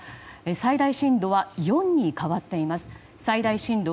最大震度は４に変わっています。